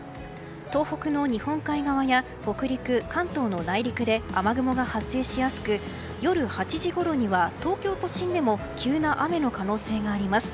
東北の日本海側や北陸関東の内陸で雨雲が発生しやすく夜８時ごろには東京都心でも急な雨の可能性があります。